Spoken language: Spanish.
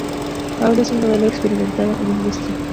Ahora es una modelo experimentada en la industria.